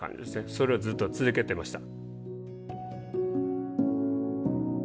それをずっと続けてました。